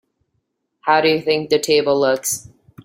How do you think the table looks?